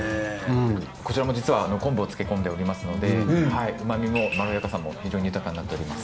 こちらも実は昆布を漬け込んでおりますので旨みもまろやかさも非常に豊かになっております。